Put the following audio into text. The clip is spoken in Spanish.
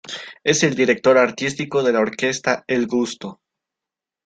Es el director artístico de la Orquesta el Gusto.